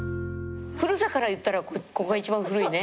古さからいったらここが一番古いね。